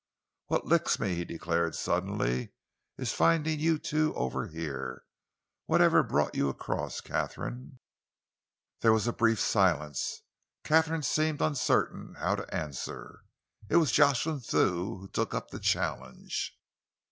"What licks me," he declared suddenly, "is finding you two over here. What ever brought you across, Katharine?" There was a brief silence. Katharine seemed uncertain how to answer. It was Jocelyn Thew who took up the challenge.